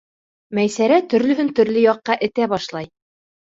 Мәйсәрә төрлөһөн төрлө яҡҡа этә башлай.